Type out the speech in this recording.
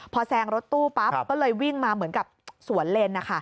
พอแซงรถตู้ปั๊บก็เลยวิ่งมาเหมือนกับสวนเลน